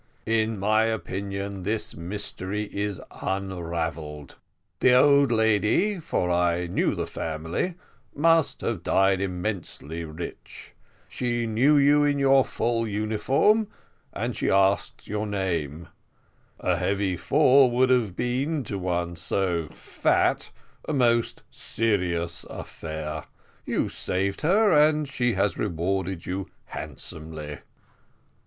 In my opinion, this mystery is unravelled. The old lady, for I knew the family, must have died immensely rich: she knew you in your full uniform, and she asked your name; a heavy fall would have been to one so fat a most serious affair; you saved her, and she has rewarded you handsomely."